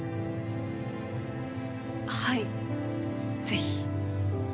はいぜひ。